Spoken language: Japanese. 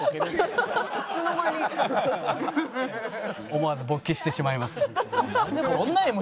思わず勃起してしまいますけども。